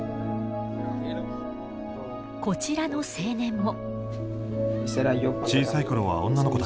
こちらの青年も。